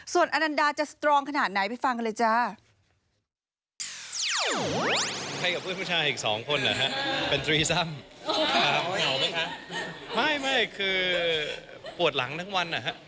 ส่วนอนันดาจะสตรองขนาดไหนไปฟังกันเลยจ้า